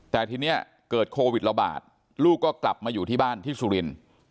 แต่ทีนี้เกิดโควิดระบาดลูกก็กลับมาอยู่ที่บ้านที่สุรินทร์